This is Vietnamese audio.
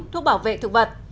thuốc bảo vệ thực vật